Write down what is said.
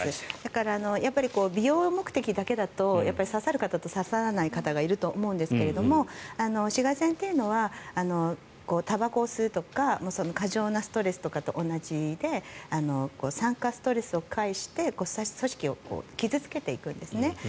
やっぱり美容目的だけだと刺さる方と刺さらない方がいると思うんですが紫外線というのはたばこを吸うとか過剰なストレスとかと同じで酸化ストレスを介して組織を傷付けていくんですね。